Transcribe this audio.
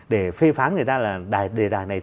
để phê phán người ta là đề tài này